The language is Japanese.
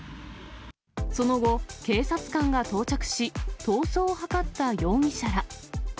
その後、警察官が到着し、逃走を図った容疑者ら。